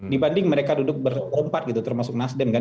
dibanding mereka duduk berempat gitu termasuk nasdem kan